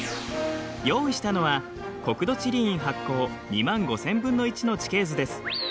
用意したのは国土地理院発行２万５０００分の１の地形図です。